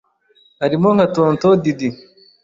arimo nka Tonton Diddy,